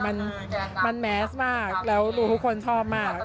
มันมันแมสมากแล้วดูทุกคนชอบมาก